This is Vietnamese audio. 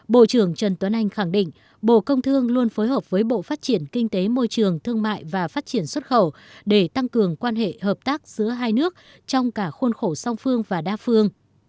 bộ trưởng trần tuấn anh khẳng định bộ công thương luôn phối hợp với bộ phát triển kinh tế môi trường thương mại và phát triển xuất khẩu để tăng cường quan hệ hợp tác giữa hai nước trong cả khuôn khổ song phương và đa phương